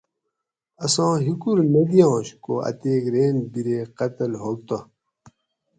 اساں ہِکور نہ دیانش کو اتیک رین بِرے قتل ہوگ تہ